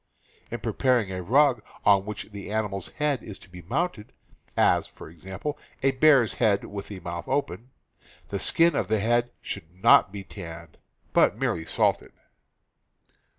In preparing a rug on which the animal's head is to be mounted — as, for example, a bear's head with the mouth open — the skin of the head should not be tanned, but merely salted.